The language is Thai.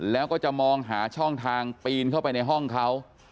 แล้วก็จะมองหาช่องทางปีนเข้าไปในห้องเขา